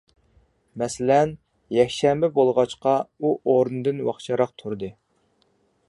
مەسىلەن، يەكشەنبە بولغاچقا، ئۇ ئورنىدىن ۋاقچىراق تۇردى.